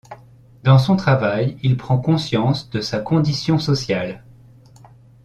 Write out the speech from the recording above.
Dans son travail, il prend conscience de sa condition sociale.